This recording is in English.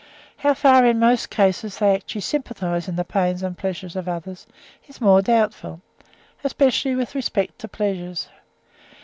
How far in most cases they actually sympathise in the pains and pleasures of others, is more doubtful, especially with respect to pleasures.